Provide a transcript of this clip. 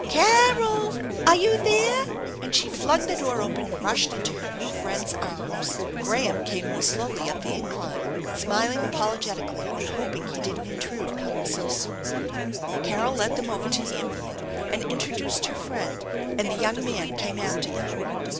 Car roZZ/ Are you there?" and she flung the door open and rushed into her new friend's arms. Graham came more slowly up the incline, smiling apolo getically and hoping he didn't intrude, coming so soon. 148 THE ENCHANTED BARN Carol led them over to the invalid and introduced he* friend, and the young man came after them.